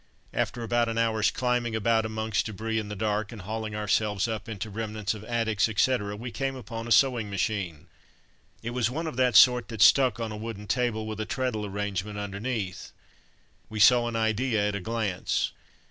After about an hour's climbing about amongst debris in the dark, and hauling ourselves up into remnants of attics, etc., we came upon a sewing machine. It was one of that sort that's stuck on a wooden table with a treadle arrangement underneath. We saw an idea at a glance.